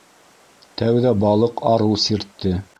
Тәүҙә балыҡ арыу сиртте.